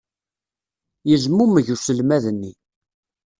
Yezmumeg uselmad-nni.